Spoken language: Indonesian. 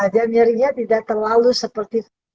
dan nyerinya tidak terlalu seperti